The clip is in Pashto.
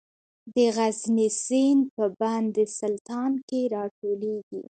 د غزني سیند په بند سلطان کې راټولیږي